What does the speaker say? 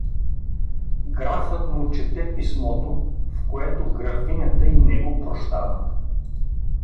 Графът му чете писмото, в което графинята и него прощава.